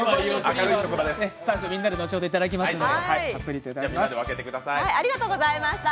スタッフみんなで後ほどいただきますので。